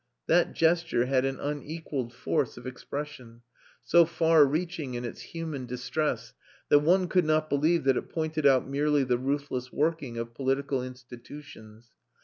That gesture had an unequalled force of expression, so far reaching in its human distress that one could not believe that it pointed out merely the ruthless working of political institutions.